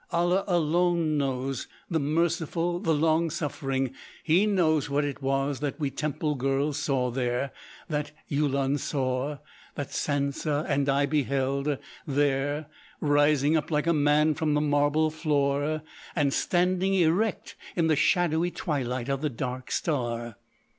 "Allah alone knows—the Merciful, the Long Suffering—He knows what it was that we temple girls saw there—that Yulun saw—that Sa n'sa and I beheld there rising up like a man from the marble floor—and standing erect in the shadowy twilight of the Dark Star...."